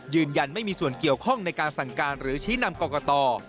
ยืนยันไม่มีส่วนเกี่ยวข้องในการสั่งการหรือชี้นำกรกต